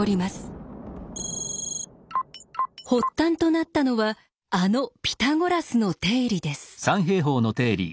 発端となったのはあのピタゴラスの定理です。